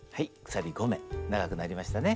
鎖５目長くなりましたね。